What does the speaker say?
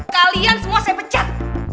kalian semua saya pecat